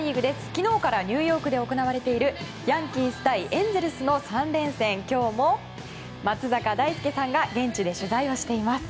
昨日からニューヨークで行われているヤンキース対エンゼルスの３連戦、今日も松坂大輔さんが現地で取材をしています。